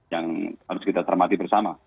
yang harus kita termati bersama